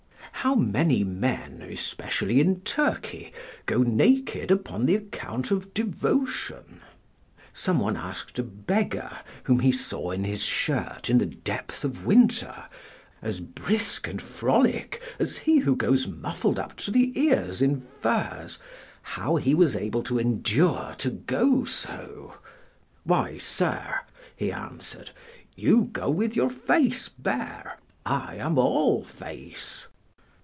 How many men, especially in Turkey, go naked upon the account of devotion? Some one asked a beggar, whom he saw in his shirt in the depth of winter, as brisk and frolic as he who goes muffled up to the ears in furs, how he was able to endure to go so? "Why, sir," he answered, "you go with your face bare: I am all face."